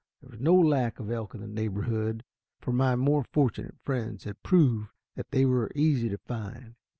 There was no lack of elk in the neighborhood, for my more fortunate friends had proved that they were easy to find.